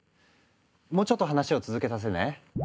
もうちょっと話を続けさせてね。